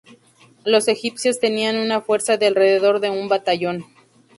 Los egipcios tenían una fuerza de alrededor de un batallón.